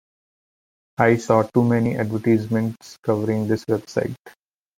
I saw too many advertisements covering this website.